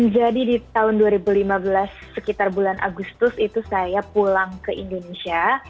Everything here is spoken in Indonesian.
jadi di tahun dua ribu lima belas sekitar bulan agustus itu saya pulang ke indonesia